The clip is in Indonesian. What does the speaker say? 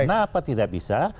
kenapa tidak bisa